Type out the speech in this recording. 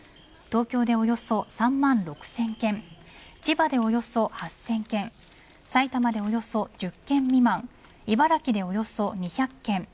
東京でおよそ３万６０００軒千葉でおよそ８０００軒埼玉でおよそ１０軒未満茨城でおよそ２００軒